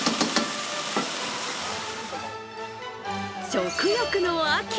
食欲の秋。